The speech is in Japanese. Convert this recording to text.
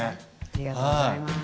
ありがとうございます。